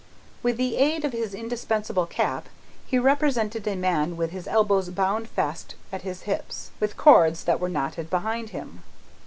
With the aid of his indispensable cap, he represented a man with his elbows bound fast at his hips, with cords that were knotted behind him.